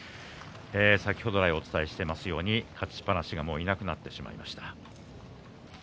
先ほど来お伝えしているように勝ちっぱなしがいなくなってしまいました。